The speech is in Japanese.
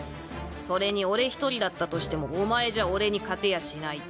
それに俺一人だったとしてもお前じゃ俺に勝てやしない。